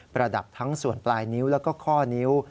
ระดับทั้งส่วนปลายนิ้วแล้วก็ข้อนิ้ว